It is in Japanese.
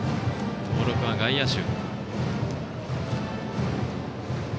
登録は外野手。